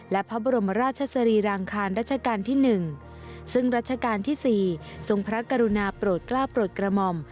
และพระบรมราชสรีรางคารราชการที่๑ซึ่งรัชกาลที่๔ทรงพระกรุณาโปรดกล้าโปรดกระหม่อม